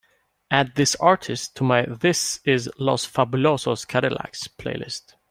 add this artist to my this is Los Fabulosos Cadillacs playlist